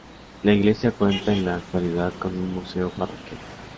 La iglesia cuenta en la actualidad con un museo parroquial.